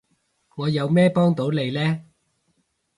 我有咩幫到你呢？